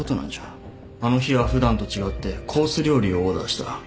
あの日は普段と違ってコース料理をオーダーした。